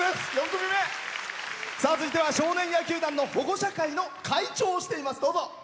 続いては少年野球団の保護者会の会長をしています。